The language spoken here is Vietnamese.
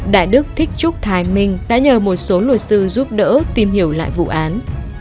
đại đức thích trúc thái minh đã nhờ một số luật sư giúp đỡ tìm hiểu lại vụ án